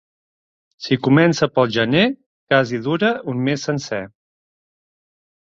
Si comença pel gener, quasi dura un mes sencer.